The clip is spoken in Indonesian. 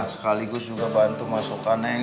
sekaligus juga bantu masukkan neng